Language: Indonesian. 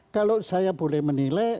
kalau saya boleh menilai